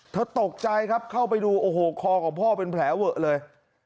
ตกใจครับเข้าไปดูโอ้โหคอของพ่อเป็นแผลเวอะเลย